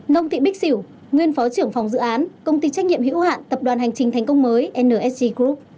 nông thị bích xỉu nguyên phó trưởng phòng dự án công ty trách nhiệm hữu hạn tập đoàn hành trình thành công mới nsg group